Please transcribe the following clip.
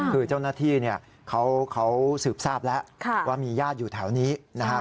คือเจ้าหน้าที่เขาสืบทราบแล้วว่ามีญาติอยู่แถวนี้นะครับ